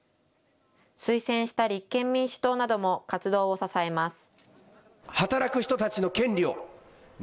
推薦した立憲民主党なども活動を支えます。